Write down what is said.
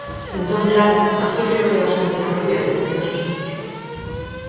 Entón, claro, así creo que é bastante inapropiado utilizar os datos.